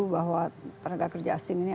bahwa tenaga kerja asing ini